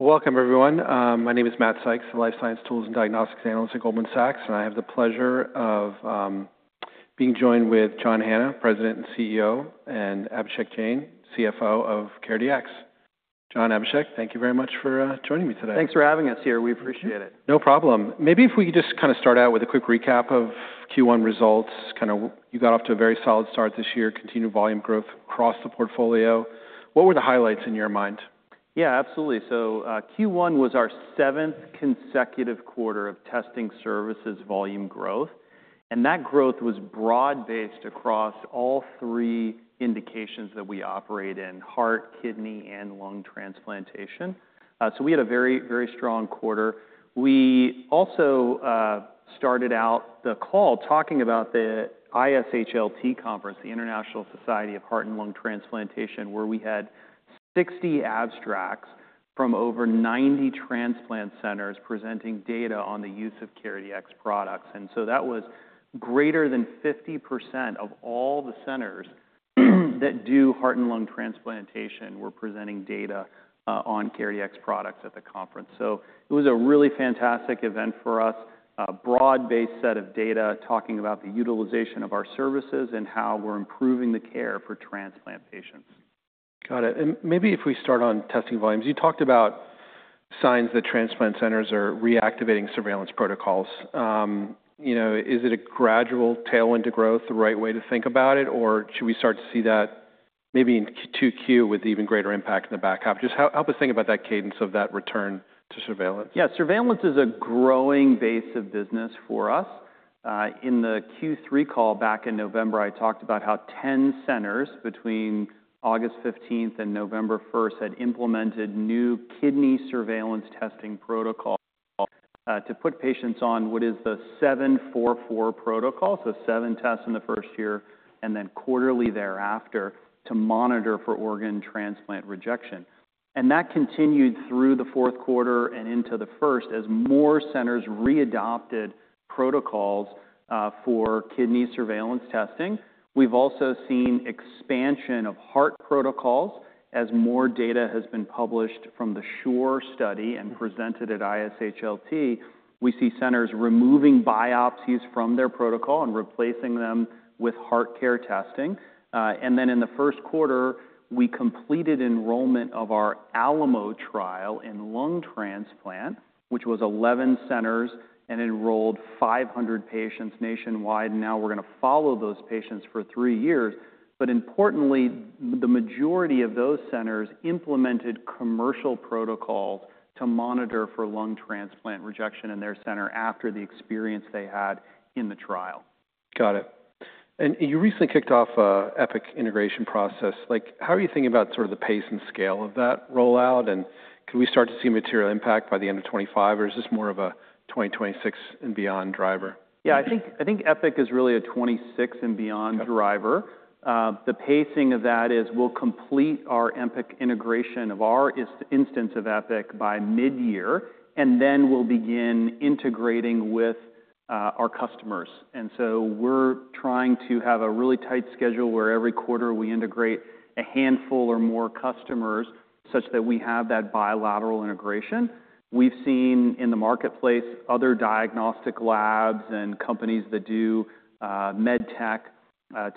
Welcome, everyone. My name is Matt Sykes, a life science tools and diagnostics analyst at Goldman Sachs, and I have the pleasure of being joined with John Hanna, President and CEO, and Abhishek Jain, CFO of CareDx. John, Abhishek, thank you very much for joining me today. Thanks for having us here. We appreciate it. No problem. Maybe if we could just kind of start out with a quick recap of Q1 results. You got off to a very solid start this year, continued volume growth across the portfolio. What were the highlights in your mind? Yeah, absolutely. Q1 was our seventh consecutive Quarter of testing services volume growth, and that growth was broad-based across all three indications that we operate in: heart, kidney, and lung transplantation. We had a very, very strong Quarter. We also started out the call talking about the ISHLT conference, the International Society of Heart and Lung Transplantation, where we had 60 abstracts from over 90 transplant centers presenting data on the use of CareDx products. That was greater than 50% of all the centers that do heart and lung transplantation presenting data on CareDx products at the conference. It was a really fantastic event for us, a broad-based set of data talking about the utilization of our services and how we're improving the care for transplant patients. Got it. Maybe if we start on testing volumes, you talked about signs that transplant centers are reactivating surveillance protocols. Is it a gradual tailwind to growth, the right way to think about it, or should we start to see that maybe in Q2 with even greater impact in the back half? Just help us think about that cadence of that return to surveillance. Yeah, surveillance is a growing base of business for us. In the Q3 call back in November, I talked about how 10 centers between August 15th and November 1st had implemented new kidney surveillance testing protocols to put patients on what is the 7-4-4 protocol, so seven tests in the first year and then quarterly thereafter to monitor for organ transplant rejection. That continued through the fourth quarter and into the first as more centers readopted protocols for kidney surveillance testing. We've also seen expansion of heart protocols. As more data has been published from the SURE study and presented at ISHLT, we see centers removing biopsies from their protocol and replacing them with HeartCare testing. In the first quarter, we completed enrollment of our Alamo trial in lung transplant, which was 11 centers and enrolled 500 patients nationwide. Now we're going to follow those patients for three years. Importantly, the majority of those centers implemented commercial protocols to monitor for lung transplant rejection in their center after the experience they had in the trial. Got it. You recently kicked off an Epic integration process. How are you thinking about sort of the pace and scale of that rollout? Can we start to see material impact by the end of 2025, or is this more of a 2026 and beyond driver? Yeah, I think Epic is really a 2026 and beyond driver. The pacing of that is we'll complete our Epic integration of our instance of Epic by mid-year, and then we'll begin integrating with our customers. We are trying to have a really tight schedule where every quarter we integrate a handful or more customers such that we have that bilateral integration. We have seen in the marketplace other diagnostic labs and companies that do med tech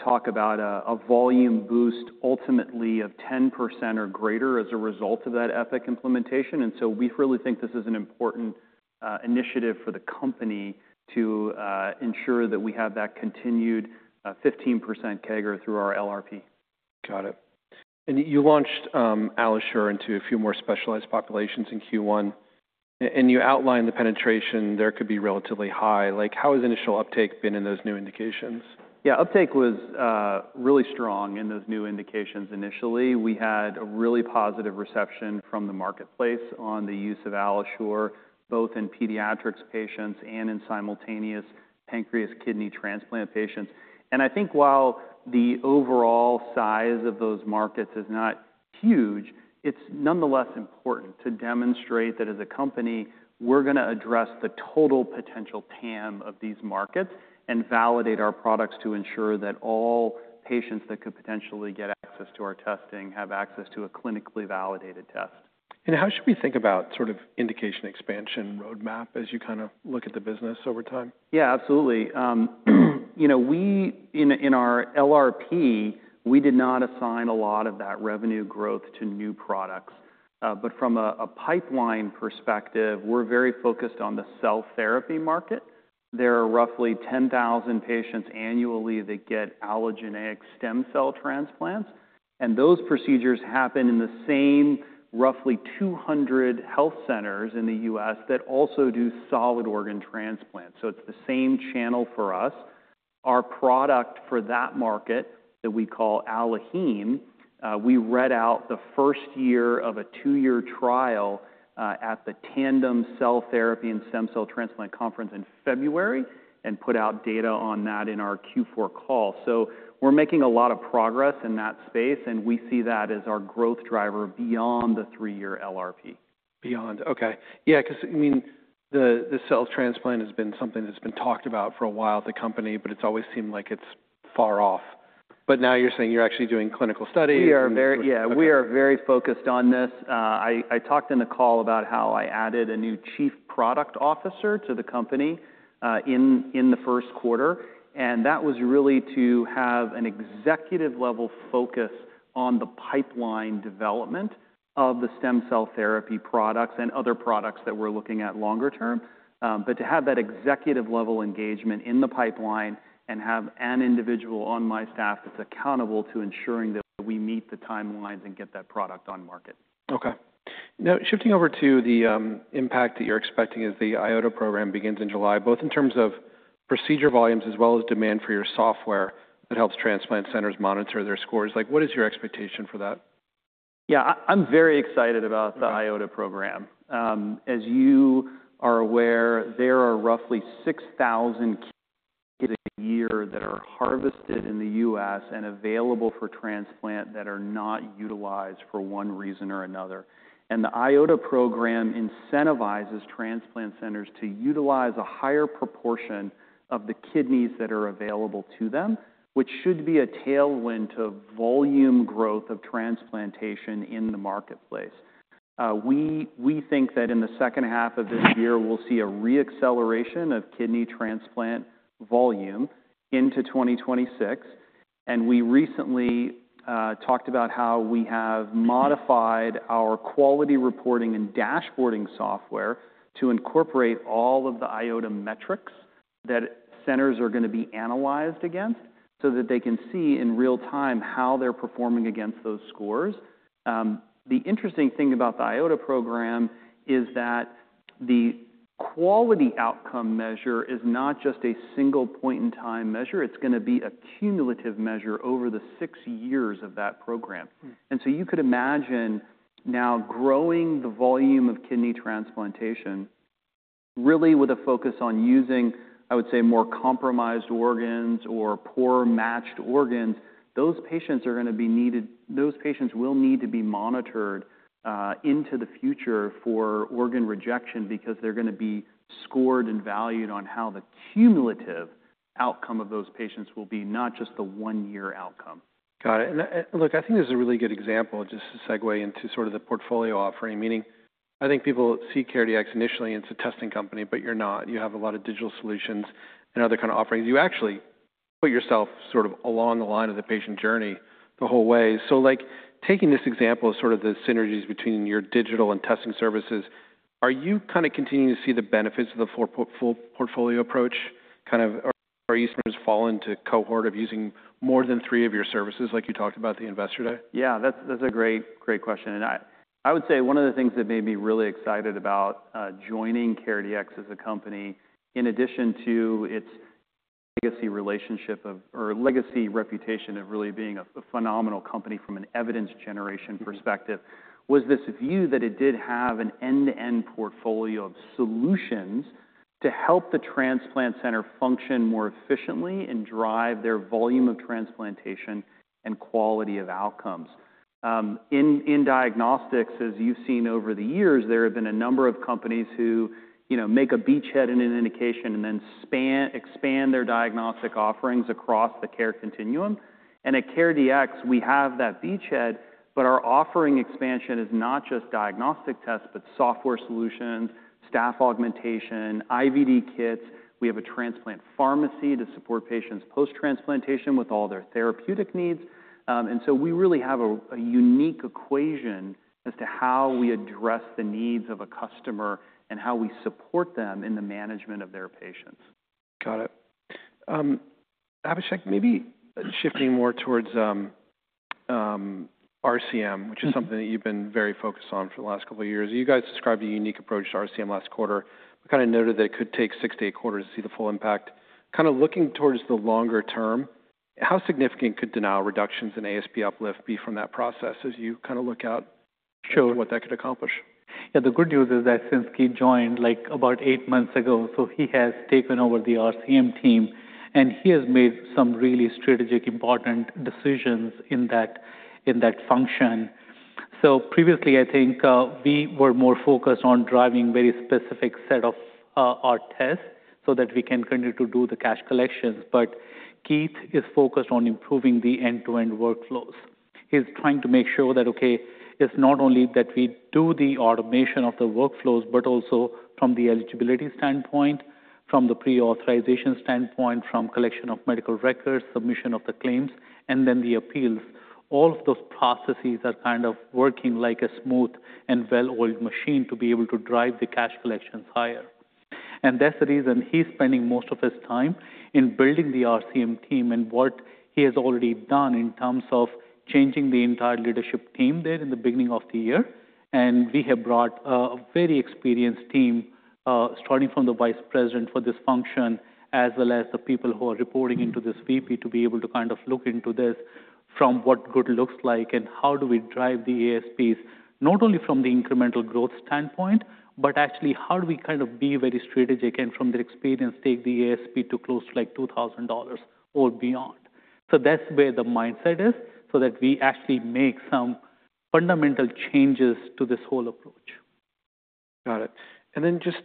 talk about a volume boost ultimately of 10% or greater as a result of that Epic implementation. We really think this is an important initiative for the company to ensure that we have that continued 15% CAGR through our LRP. Got it. You launched AlloSure into a few more specialized populations in Q1, and you outlined the penetration there could be relatively high. How has initial uptake been in those new indications? Yeah, uptake was really strong in those new indications initially. We had a really positive reception from the marketplace on the use of AlloSure, both in pediatrics patients and in simultaneous pancreas kidney transplant patients. I think while the overall size of those markets is not huge, it's nonetheless important to demonstrate that as a company, we're going to address the total potential TAM of these markets and validate our products to ensure that all patients that could potentially get access to our testing have access to a clinically validated test. How should we think about sort of indication expansion roadmap as you kind of look at the business over time? Yeah, absolutely. In our LRP, we did not assign a lot of that revenue growth to new products. But from a pipeline perspective, we're very focused on the cell therapy market. There are roughly 10,000 patients annually that get allogeneic stem cell transplants. And those procedures happen in the same roughly 200 health centers in the U.S. that also do solid organ transplants. So it's the same channel for us. Our product for that market that we call AlloHeme, we read out the first year of a two-year trial at the Tandem Cell Therapy and Stem Cell Transplant Conference in February and put out data on that in our Q4 call. So we're making a lot of progress in that space, and we see that as our growth driver beyond the three-year LRP. Beyond, okay. Yeah, because I mean, the cell transplant has been something that's been talked about for a while at the company, but it's always seemed like it's far off. Now you're saying you're actually doing clinical studies. We are very focused on this. I talked in the call about how I added a new Chief Product Officer to the company in the first quarter. That was really to have an executive-level focus on the pipeline development of the stem cell therapy products and other products that we're looking at longer term. To have that executive-level engagement in the pipeline and have an individual on my staff that's accountable to ensuring that we meet the timelines and get that product on market. Okay. Now, shifting over to the impact that you're expecting as the IOTA program begins in July, both in terms of procedure volumes as well as demand for your software that helps transplant centers monitor their scores, what is your expectation for that? Yeah, I'm very excited about the IOTA program. As you are aware, there are roughly 6,000 kidneys a year that are harvested in the US and available for transplant that are not utilized for one reason or another. The IOTA program incentivizes transplant centers to utilize a higher proportion of the kidneys that are available to them, which should be a tailwind to volume growth of transplantation in the marketplace. We think that in the second half of this year, we'll see a re-acceleration of kidney transplant volume into 2026. We recently talked about how we have modified our quality reporting and dashboarding software to incorporate all of the IOTA metrics that centers are going to be analyzed against so that they can see in real time how they're performing against those scores. The interesting thing about the IOTA program is that the quality outcome measure is not just a single point-in-time measure. It's going to be a cumulative measure over the six years of that program. You could imagine now growing the volume of kidney transplantation, really with a focus on using, I would say, more compromised organs or poor matched organs. Those patients are going to be needed; those patients will need to be monitored into the future for organ rejection because they're going to be scored and valued on how the cumulative outcome of those patients will be, not just the one-year outcome. Got it. I think there's a really good example, just to segue into sort of the portfolio offering, meaning I think people see CareDx initially as a testing company, but you're not. You have a lot of digital solutions and other kinds of offerings. You actually put yourself sort of along the line of the patient journey the whole way. Taking this example of sort of the synergies between your digital and testing services, are you kind of continuing to see the benefits of the full portfolio approach? Kind of are you sort of falling into a cohort of using more than three of your services, like you talked about the investor day? Yeah, that's a great question. I would say one of the things that made me really excited about joining CareDx as a company, in addition to its legacy relationship or legacy reputation of really being a phenomenal company from an evidence generation perspective, was this view that it did have an end-to-end portfolio of solutions to help the transplant center function more efficiently and drive their volume of transplantation and quality of outcomes. In diagnostics, as you've seen over the years, there have been a number of companies who make a beachhead in an indication and then expand their diagnostic offerings across the care continuum. At CareDx, we have that beachhead, but our offering expansion is not just diagnostic tests, but software solutions, staff augmentation, IVD kits. We have a transplant pharmacy to support patients post-transplantation with all their therapeutic needs. We really have a unique equation as to how we address the needs of a customer and how we support them in the management of their patients. Got it. Abhishek, maybe shifting more towards RCM, which is something that you've been very focused on for the last couple of years. You guys described a unique approach to RCM last quarter. We kind of noted that it could take six to eight quarters to see the full impact. Kind of looking towards the longer term, how significant could denial reductions and ASP uplift be from that process as you kind of look out show what that could accomplish? Yeah, the good news is that since Keith joined about eight months ago, he has taken over the RCM team, and he has made some really strategic, important decisions in that function. Previously, I think we were more focused on driving a very specific set of tests so that we can continue to do the cash collections. Keith is focused on improving the end-to-end workflows. He's trying to make sure that, okay, it's not only that we do the automation of the workflows, but also from the eligibility standpoint, from the pre-authorization standpoint, from collection of medical records, submission of the claims, and then the appeals. All of those processes are kind of working like a smooth and well-oiled machine to be able to drive the cash collections higher. That is the reason he's spending most of his time in building the RCM team and what he has already done in terms of changing the entire leadership team there in the beginning of the year. We have brought a very experienced team, starting from the Vice President for this function, as well as the people who are reporting into this VP to be able to kind of look into this from what good looks like and how do we drive the ASPs, not only from the incremental growth standpoint, but actually how do we kind of be very strategic and from their experience take the ASP to close to $2,000 or beyond. That is where the mindset is so that we actually make some fundamental changes to this whole approach. Got it. Just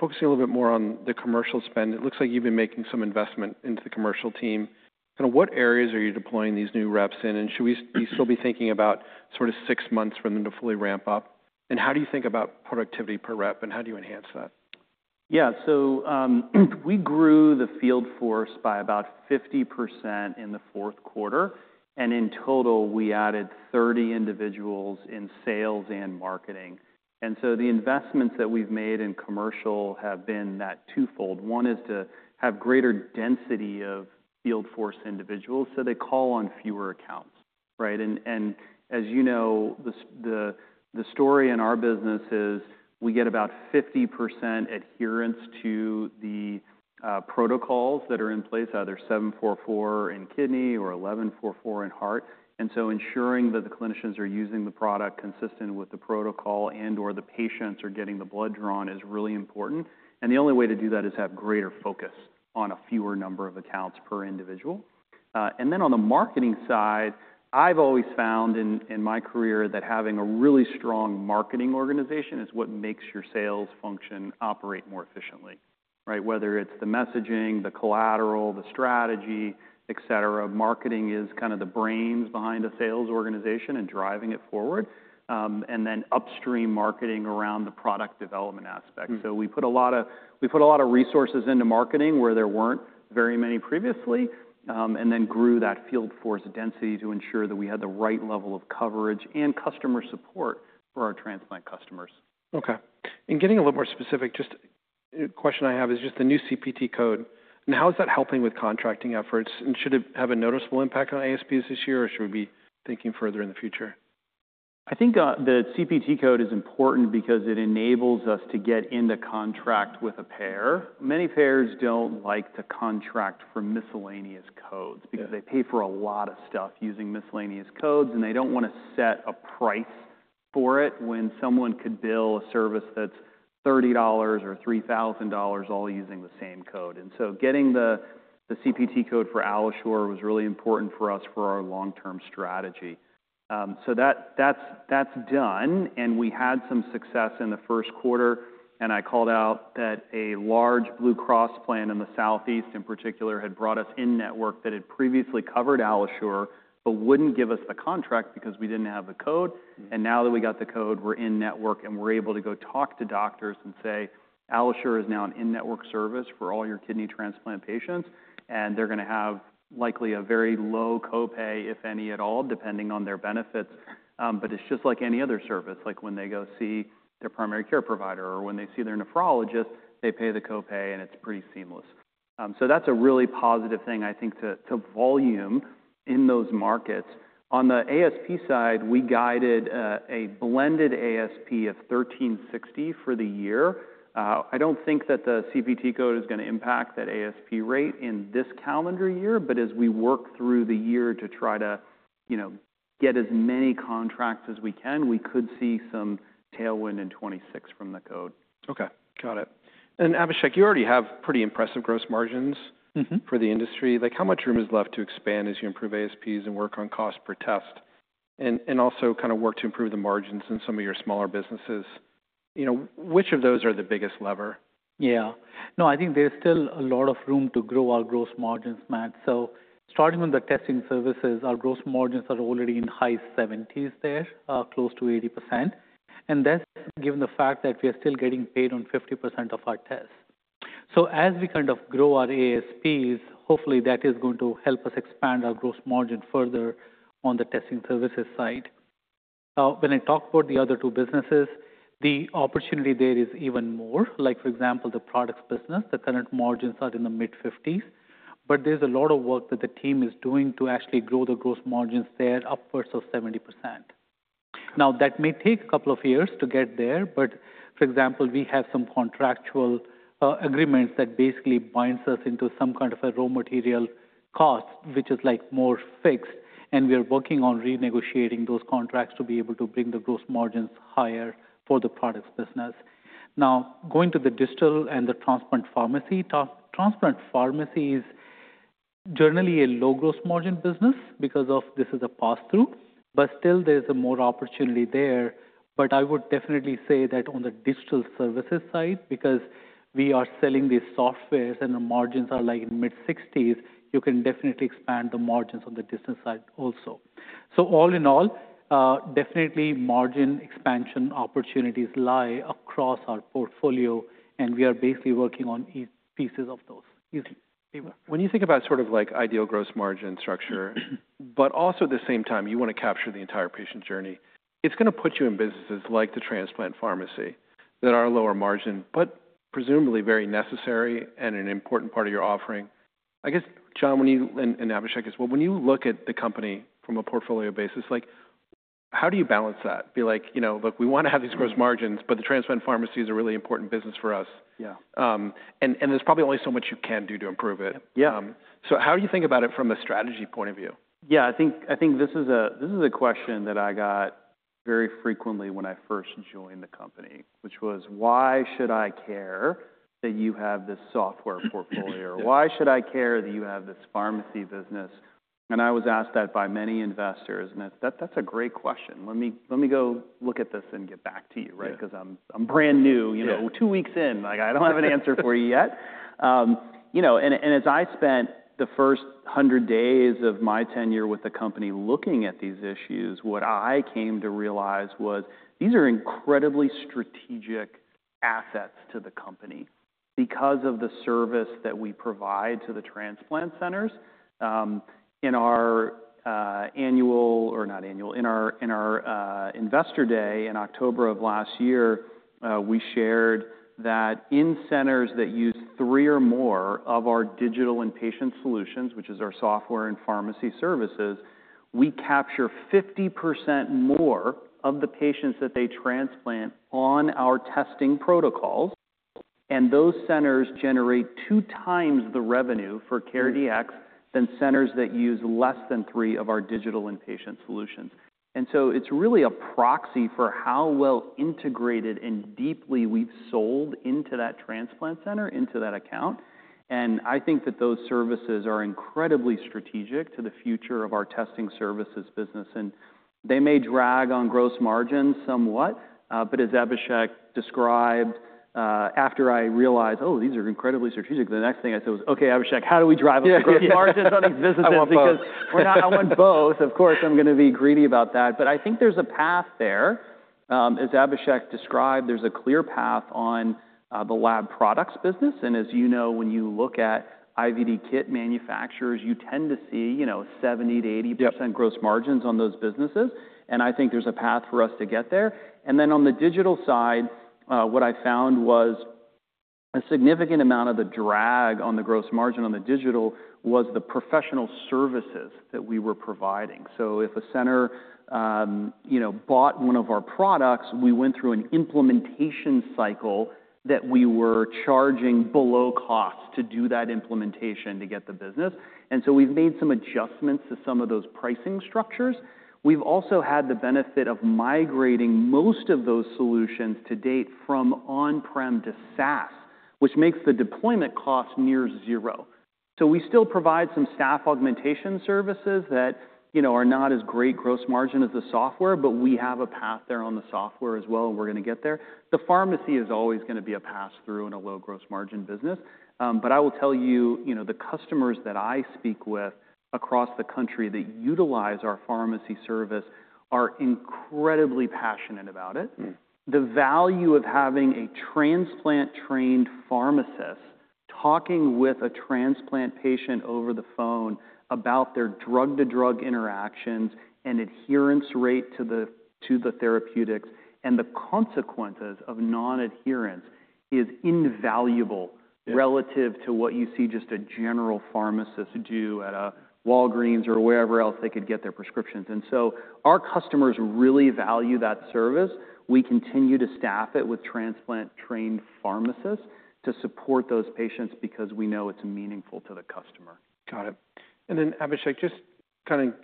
focusing a little bit more on the commercial spend, it looks like you've been making some investment into the commercial team. Kind of what areas are you deploying these new reps in? Should we still be thinking about sort of six months for them to fully ramp up? How do you think about productivity per rep, and how do you enhance that? Yeah, we grew the field force by about 50% in the fourth quarter. In total, we added 30 individuals in sales and marketing. The investments that we've made in commercial have been that twofold. One is to have greater density of field force individuals so they call on fewer accounts. As you know, the story in our business is we get about 50% adherence to the protocols that are in place, either 7-4-4 in kidney or 11-4-4 in heart. Ensuring that the clinicians are using the product consistent with the protocol and/or the patients are getting the blood drawn is really important. The only way to do that is to have greater focus on a fewer number of accounts per individual. On the marketing side, I've always found in my career that having a really strong marketing organization is what makes your sales function operate more efficiently, whether it's the messaging, the collateral, the strategy, et cetera. Marketing is kind of the brains behind a sales organization and driving it forward, and then upstream marketing around the product development aspect. We put a lot of resources into marketing where there weren't very many previously, and then grew that field force density to ensure that we had the right level of coverage and customer support for our transplant customers. Okay. Getting a little more specific, just a question I have is just the new CPT code. How is that helping with contracting efforts? Should it have a noticeable impact on ASPs this year, or should we be thinking further in the future? I think the CPT code is important because it enables us to get into contract with a payer. Many payers don't like to contract for miscellaneous codes because they pay for a lot of stuff using miscellaneous codes, and they don't want to set a price for it when someone could bill a service that's $30 or $3,000 all using the same code. Getting the CPT code for AlloSure was really important for us for our long-term strategy. That's done. We had some success in the first quarter. I called out that a large Blue Cross plan in the Southeast, in particular, had brought us in-network that had previously covered AlloSure, but wouldn't give us the contract because we didn't have the code. Now that we got the code, we're in-network, and we're able to go talk to doctors and say, "AlloSure is now an in-network service for all your kidney transplant patients." They're going to have likely a very low copay, if any at all, depending on their benefits. It's just like any other service, like when they go see their primary care provider or when they see their nephrologist, they pay the copay, and it's pretty seamless. That's a really positive thing, I think, to volume in those markets. On the ASP side, we guided a blended ASP of $1,360 for the year. I don't think that the CPT code is going to impact that ASP rate in this calendar year, but as we work through the year to try to get as many contracts as we can, we could see some tailwind in 2026 from the code. Okay. Got it. Abhishek, you already have pretty impressive gross margins for the industry. How much room is left to expand as you improve ASPs and work on cost per test and also kind of work to improve the margins in some of your smaller businesses? Which of those are the biggest lever? Yeah. No, I think there's still a lot of room to grow our gross margins, Matt. Starting with the testing services, our gross margins are already in the high 70s there, close to 80%. That's given the fact that we are still getting paid on 50% of our tests. As we kind of grow our ASPs, hopefully that is going to help us expand our gross margin further on the testing services side. When I talk about the other two businesses, the opportunity there is even more. For example, the products business, the current margins are in the mid-50%. There's a lot of work that the team is doing to actually grow the gross margins there upwards of 70%. That may take a couple of years to get there. For example, we have some contractual agreements that basically bind us into some kind of a raw material cost, which is more fixed. We are working on renegotiating those contracts to be able to bring the gross margins higher for the products business. Now, going to the digital and the transplant pharmacy, transplant pharmacy is generally a low-gross margin business because this is a pass-through. Still, there is more opportunity there. I would definitely say that on the digital services side, because we are selling these softwares and the margins are like mid-60%, you can definitely expand the margins on the digital side also. All in all, definitely margin expansion opportunities lie across our portfolio, and we are basically working on pieces of those. When you think about sort of ideal gross margin structure, but also at the same time, you want to capture the entire patient journey, it's going to put you in businesses like the transplant pharmacy that are lower margin, but presumably very necessary and an important part of your offering. I guess, John, when you and Abhishek as well, when you look at the company from a portfolio basis, how do you balance that? Be like, "Look, we want to have these gross margins, but the transplant pharmacies are a really important business for us." There's probably only so much you can do to improve it. How do you think about it from a strategy point of view? Yeah, I think this is a question that I got very frequently when I first joined the company, which was, "Why should I care that you have this software portfolio? Why should I care that you have this pharmacy business?" I was asked that by many investors. That is a great question. Let me go look at this and get back to you, because I'm brand new, two weeks in. I don't have an answer for you yet. As I spent the first 100 days of my tenure with the company looking at these issues, what I came to realize was these are incredibly strategic assets to the company because of the service that we provide to the transplant centers. In our annual, or not annual, in our investor day in October of last year, we shared that in centers that use three or more of our digital and patient solutions, which is our software and pharmacy services, we capture 50% more of the patients that they transplant on our testing protocols. Those centers generate two times the revenue for CareDx than centers that use less than three of our digital and patient solutions. It is really a proxy for how well integrated and deeply we have sold into that transplant center, into that account. I think that those services are incredibly strategic to the future of our testing services business. They may drag on gross margins somewhat, but as Abhishek described, after I realized, "Oh, these are incredibly strategic," the next thing I said was, "Okay, Abhishek, how do we drive up gross margins on these businesses?" Because I want both. Of course, I'm going to be greedy about that. I think there's a path there. As Abhishek described, there's a clear path on the lab products business. As you know, when you look at IVD kit manufacturers, you tend to see 70-80% gross margins on those businesses. I think there's a path for us to get there. On the digital side, what I found was a significant amount of the drag on the gross margin on the digital was the professional services that we were providing. If a center bought one of our products, we went through an implementation cycle that we were charging below cost to do that implementation to get the business. We have made some adjustments to some of those pricing structures. We have also had the benefit of migrating most of those solutions to date from on-prem to SaaS, which makes the deployment cost near zero. We still provide some staff augmentation services that are not as great gross margin as the software, but we have a path there on the software as well, and we are going to get there. The pharmacy is always going to be a pass-through in a low-gross margin business. I will tell you, the customers that I speak with across the country that utilize our pharmacy service are incredibly passionate about it. The value of having a transplant-trained pharmacist talking with a transplant patient over the phone about their drug-to-drug interactions and adherence rate to the therapeutics and the consequences of non-adherence is invaluable relative to what you see just a general pharmacist do at a Walgreens or wherever else they could get their prescriptions. Our customers really value that service. We continue to staff it with transplant-trained pharmacists to support those patients because we know it's meaningful to the customer. Got it. Abhishek, just kind of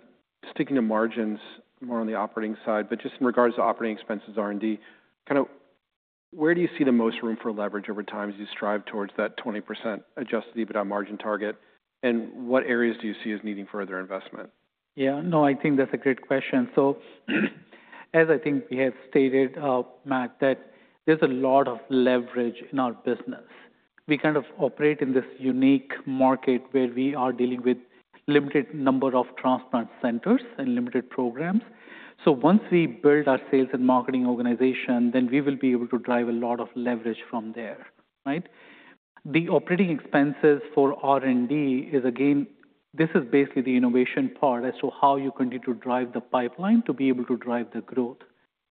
sticking to margins more on the operating side, but just in regards to operating expenses, R&D, kind of where do you see the most room for leverage over time as you strive towards that 20% adjusted EBITDA margin target? What areas do you see as needing further investment? Yeah. No, I think that's a great question. As I think we have stated, Matt, there's a lot of leverage in our business. We kind of operate in this unique market where we are dealing with a limited number of transplant centers and limited programs. Once we build our sales and marketing organization, we will be able to drive a lot of leverage from there. The operating expenses for R&D is, again, this is basically the innovation part as to how you continue to drive the pipeline to be able to drive the growth.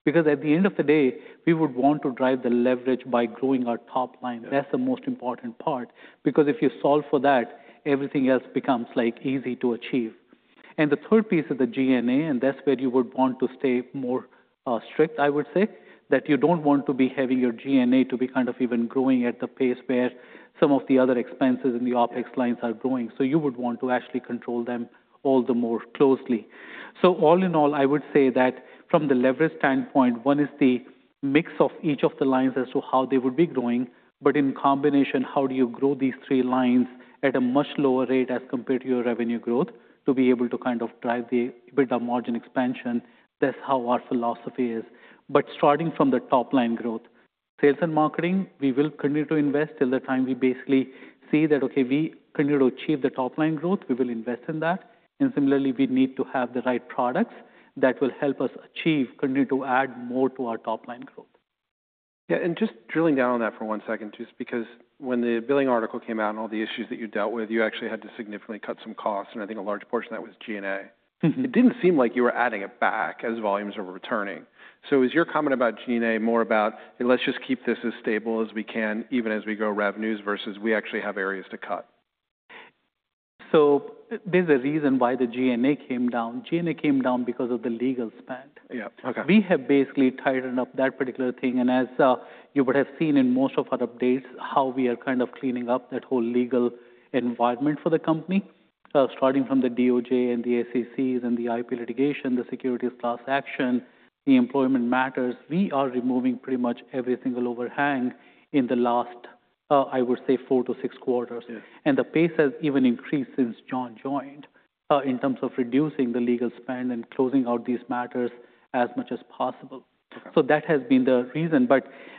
Because at the end of the day, we would want to drive the leverage by growing our top line. That's the most important part. Because if you solve for that, everything else becomes easy to achieve. The third piece is the GNA, and that's where you would want to stay more strict, I would say, that you don't want to be having your GNA to be kind of even growing at the pace where some of the other expenses in the OpEx lines are growing. You would want to actually control them all the more closely. All in all, I would say that from the leverage standpoint, one is the mix of each of the lines as to how they would be growing, but in combination, how do you grow these three lines at a much lower rate as compared to your revenue growth to be able to kind of drive the EBITDA margin expansion? That's how our philosophy is. Starting from the top line growth, sales and marketing, we will continue to invest till the time we basically see that, okay, we continue to achieve the top line growth, we will invest in that. Similarly, we need to have the right products that will help us achieve, continue to add more to our top line growth. Yeah. And just drilling down on that for one second, just because when the billing article came out and all the issues that you dealt with, you actually had to significantly cut some costs. I think a large portion of that was GNA. It did not seem like you were adding it back as volumes were returning. Is your comment about GNA more about, "Let's just keep this as stable as we can, even as we grow revenues," versus, "We actually have areas to cut"? There's a reason why the G&A came down. G&A came down because of the legal spend. We have basically tightened up that particular thing. As you would have seen in most of our updates, how we are kind of cleaning up that whole legal environment for the company, starting from the DOJ and the SECs and the IP litigation, the securities class action, the employment matters, we are removing pretty much every single overhang in the last, I would say, four to six quarters. The pace has even increased since John joined in terms of reducing the legal spend and closing out these matters as much as possible. That has been the reason.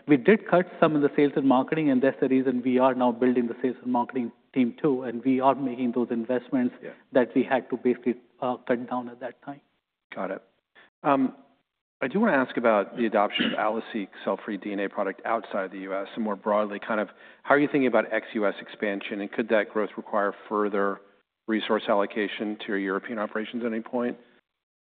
We did cut some of the sales and marketing, and that's the reason we are now building the sales and marketing team too. We are making those investments that we had to basically cut down at that time. Got it. I do want to ask about the adoption of AlloSeq cfDNA product outside of the U.S. and more broadly, kind of how are you thinking about ex-U.S. expansion? Could that growth require further resource allocation to your European operations at any point?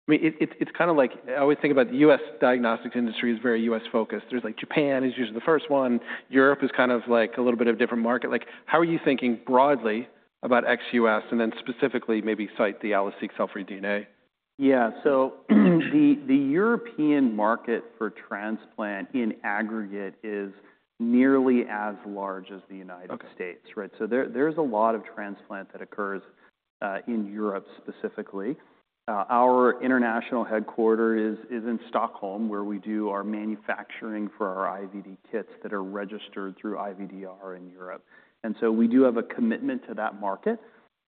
I mean, it's kind of like I always think about the U.S. diagnostics industry as very U.S.-focused. There's like Japan is usually the first one. Europe is kind of like a little bit of a different market. How are you thinking broadly about ex-U.S. and then specifically maybe cite the AlloSeq cfDNA? Yeah. The European market for transplant in aggregate is nearly as large as the United States. There is a lot of transplant that occurs in Europe specifically. Our international headquarter is in Stockholm, where we do our manufacturing for our IVD kits that are registered through IVDR in Europe. We do have a commitment to that market.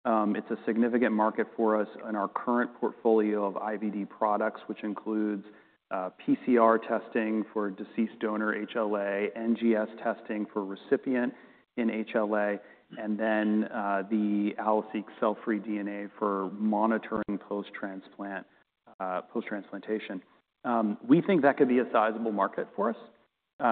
It is a significant market for us in our current portfolio of IVD products, which includes PCR testing for deceased donor HLA, NGS testing for recipient in HLA, and then the AlloSeq cfDNA for monitoring post-transplantation. We think that could be a sizable market for us. We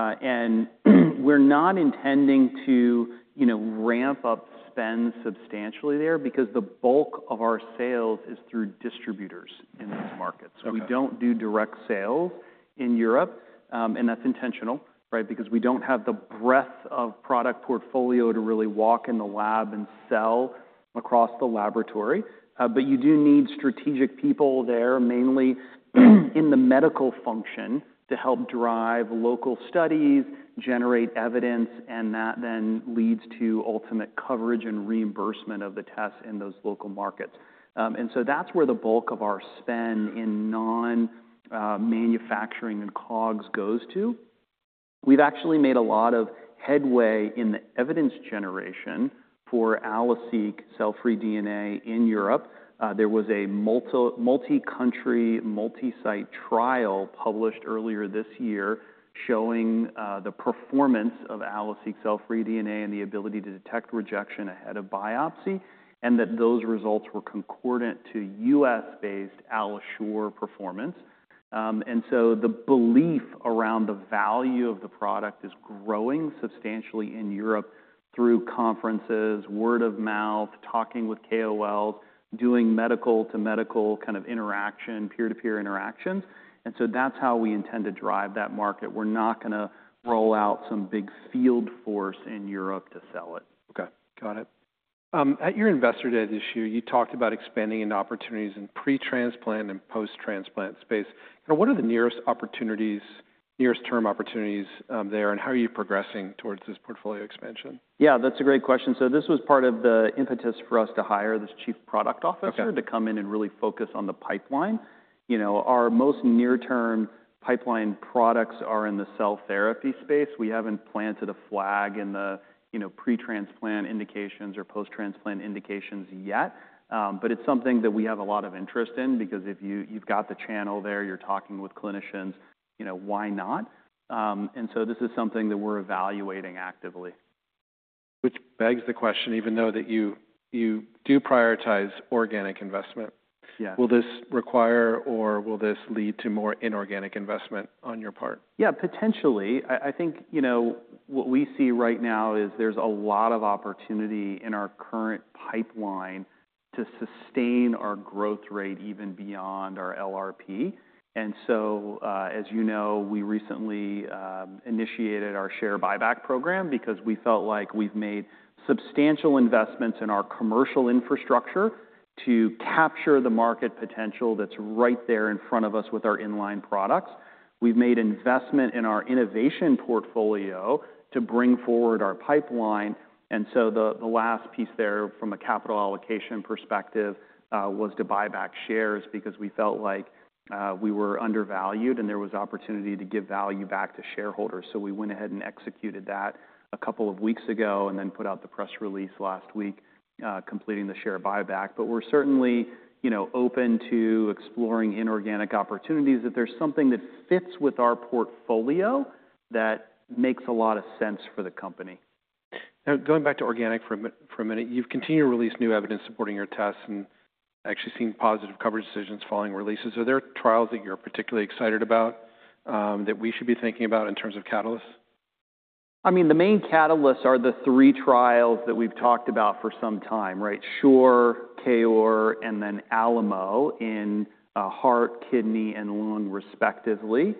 are not intending to ramp up spend substantially there because the bulk of our sales is through distributors in these markets. We do not do direct sales in Europe. That's intentional because we don't have the breadth of product portfolio to really walk in the lab and sell across the laboratory. You do need strategic people there, mainly in the medical function, to help drive local studies, generate evidence, and that then leads to ultimate coverage and reimbursement of the tests in those local markets. That's where the bulk of our spend in non-manufacturing and COGS goes to. We've actually made a lot of headway in the evidence generation for AlloSeq cfDNA in Europe. There was a multi-country, multi-site trial published earlier this year showing the performance of AlloSeq cfDNA and the ability to detect rejection ahead of biopsy, and those results were concordant to U.S.-based AlloSure performance. The belief around the value of the product is growing substantially in Europe through conferences, word of mouth, talking with KOLs, doing medical-to-medical kind of interaction, peer-to-peer interactions. That is how we intend to drive that market. We are not going to roll out some big field force in Europe to sell it. Okay. Got it. At your investor day this year, you talked about expanding into opportunities in pretransplant and post-transplant space. What are the nearest opportunities, nearest term opportunities there, and how are you progressing towards this portfolio expansion? Yeah, that's a great question. This was part of the impetus for us to hire this Chief Product Officer to come in and really focus on the pipeline. Our most near-term pipeline products are in the cell therapy space. We haven't planted a flag in the pretransplant indications or post-transplant indications yet. It is something that we have a lot of interest in because if you've got the channel there, you're talking with clinicians, why not? This is something that we're evaluating actively. Which begs the question, even though you do prioritize organic investment, will this require or will this lead to more inorganic investment on your part? Yeah, potentially. I think what we see right now is there's a lot of opportunity in our current pipeline to sustain our growth rate even beyond our LRP. As you know, we recently initiated our share buyback program because we felt like we've made substantial investments in our commercial infrastructure to capture the market potential that's right there in front of us with our inline products. We've made investment in our innovation portfolio to bring forward our pipeline. The last piece there from a capital allocation perspective was to buy back shares because we felt like we were undervalued and there was opportunity to give value back to shareholders. We went ahead and executed that a couple of weeks ago and then put out the press release last week completing the share buyback. We're certainly open to exploring inorganic opportunities if there's something that fits with our portfolio that makes a lot of sense for the company. Now, going back to organic for a minute, you've continued to release new evidence supporting your tests and actually seen positive coverage decisions following releases. Are there trials that you're particularly excited about that we should be thinking about in terms of catalysts? I mean, the main catalysts are the three trials that we've talked about for some time, SURE, KOAR, and then Alamo in heart, kidney, and lung respectively.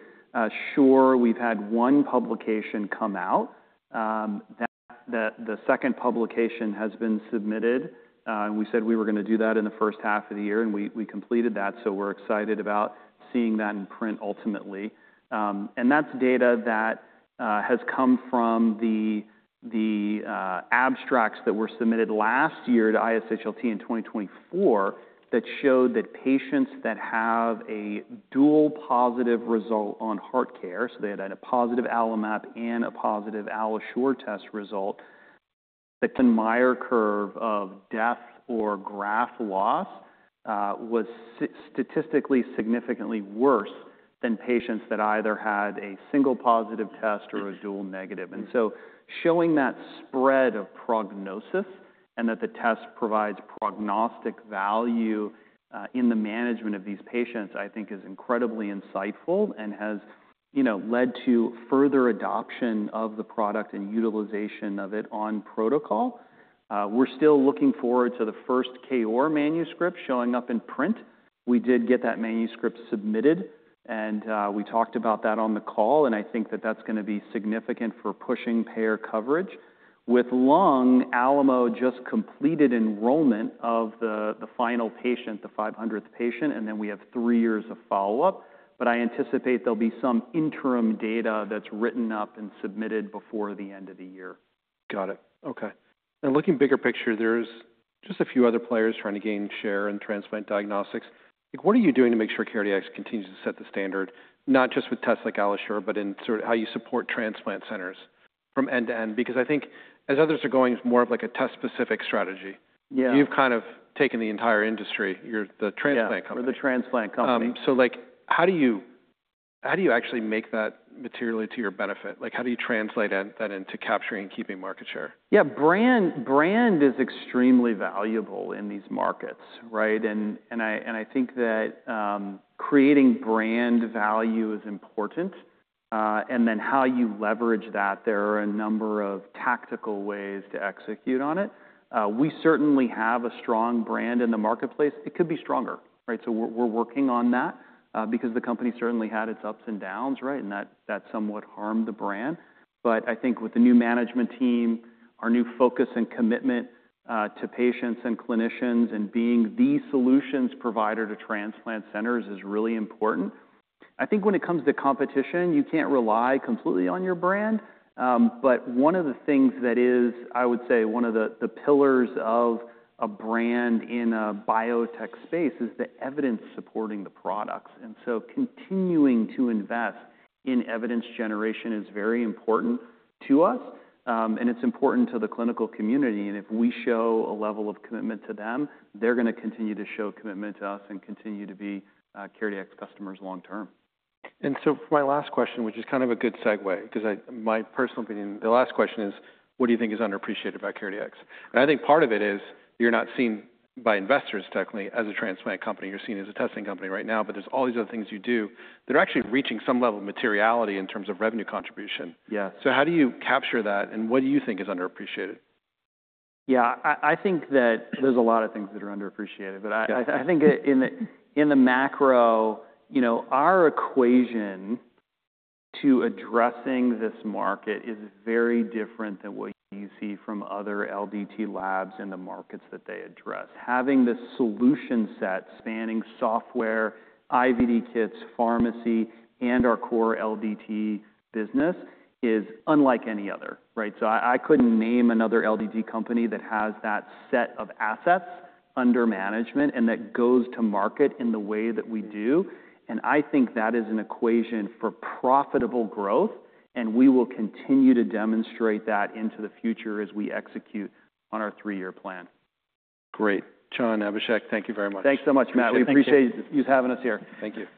SURE, we've had one publication come out. The second publication has been submitted. We said we were going to do that in the first half of the year, and we completed that. We are excited about seeing that in print ultimately. That is data that has come from the abstracts that were submitted last year to ISHLT in 2024 that showed that patients that have a dual positive result on HeartCare, so they had a positive AlloMap and a positive AlloSure test result, the Meyer curve of death or graft loss was statistically significantly worse than patients that either had a single positive test or a dual negative. Showing that spread of prognosis and that the test provides prognostic value in the management of these patients, I think, is incredibly insightful and has led to further adoption of the product and utilization of it on protocol. We are still looking forward to the first KOAR manuscript showing up in print. We did get that manuscript submitted, and we talked about that on the call. I think that is going to be significant for pushing payer coverage. With lung, Alamo just completed enrollment of the final patient, the 500th patient, and then we have three years of follow-up. I anticipate there will be some interim data that is written up and submitted before the end of the year. Got it. Okay. Looking bigger picture, there's just a few other players trying to gain share in transplant diagnostics. What are you doing to make sure CareDx continues to set the standard, not just with tests like AlloSure, but in sort of how you support transplant centers from end to end? I think as others are going, it's more of like a test-specific strategy. You've kind of taken the entire industry. You're the transplant company. Yeah, we're the transplant company. How do you actually make that materially to your benefit? How do you translate that into capturing and keeping market share? Yeah, brand is extremely valuable in these markets. I think that creating brand value is important. Then how you leverage that, there are a number of tactical ways to execute on it. We certainly have a strong brand in the marketplace. It could be stronger. We're working on that because the company certainly had its ups and downs, and that somewhat harmed the brand. I think with the new management team, our new focus and commitment to patients and clinicians and being the solutions provider to transplant centers is really important. I think when it comes to competition, you can't rely completely on your brand. One of the things that is, I would say, one of the pillars of a brand in a biotech space is the evidence supporting the products. Continuing to invest in evidence generation is very important to us, and it's important to the clinical community. If we show a level of commitment to them, they're going to continue to show commitment to us and continue to be CareDx customers long term. My last question, which is kind of a good segue because my personal opinion, the last question is, what do you think is underappreciated by CareDx? I think part of it is you're not seen by investors technically as a transplant company. You're seen as a testing company right now. There are all these other things you do that are actually reaching some level of materiality in terms of revenue contribution. How do you capture that, and what do you think is underappreciated? Yeah, I think that there's a lot of things that are underappreciated. I think in the macro, our equation to addressing this market is very different than what you see from other LDT labs in the markets that they address. Having the solution set, spanning software, IVD kits, pharmacy, and our core LDT business is unlike any other. I couldn't name another LDT company that has that set of assets under management and that goes to market in the way that we do. I think that is an equation for profitable growth. We will continue to demonstrate that into the future as we execute on our three-year plan. Great. John, Abhishek, thank you very much. Thanks so much, Matt. We appreciate you having us here. Thank you.